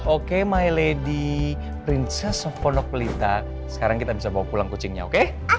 oke my lady princes of pondok pelita sekarang kita bisa bawa pulang kucingnya oke